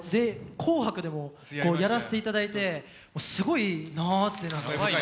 「紅白」でもやらせていただいてすごいなあって。